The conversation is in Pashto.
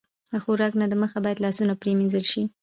له خوراک نه د مخه باید لاسونه پرېمنځل شي.